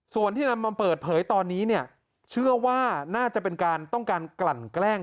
ส่วนที่นำมาเปิดเผยตอนนี้เนี่ยเชื่อว่าน่าจะเป็นการต้องการกลั่นแกล้ง